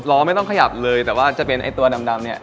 ล้อไม่ต้องขยับเลยแต่ว่าจะเป็นไอ้ตัวดำเนี่ย